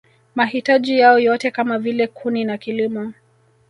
Mahitaji yao yote kama vile kuni na kilimo